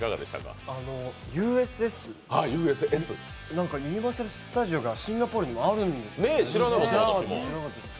ＵＳＳ、ユニバーサル・スタジオがシンガポールにもあるんですね、知らなかったです。